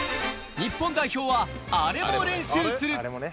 日本代表は、アレも練習する。